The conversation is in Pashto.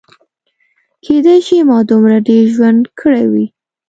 کیدای شي ما دومره ډېر ژوند کړی وي.